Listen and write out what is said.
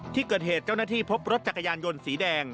ที่เกิดเหตุเจ้าหน้าที่พบรถจักรยานยนต์สีแดง